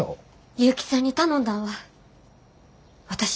結城さんに頼んだんは私です。